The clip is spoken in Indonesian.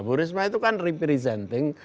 bu risma itu kan representing